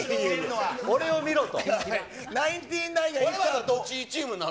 俺を見ろと。